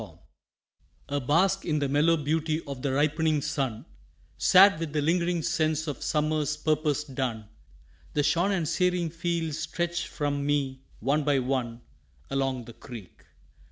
FULFILMENT A bask in the mellow beauty of the ripening sun, Sad with the lingering sense of summer's purpose done, The shorn and searing fields stretch from me one by one Along the creek.